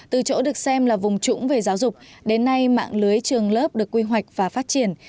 từ chỗ được xem là vùng trũng về giáo dục đến nay mạng lưới trường lớp được quy hoạch và phát triển